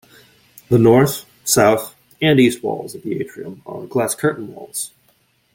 The north, south, and east walls of the atrium are glass curtain walls.